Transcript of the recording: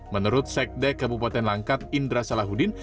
menurut sekde kabupaten langkat indra salahuddin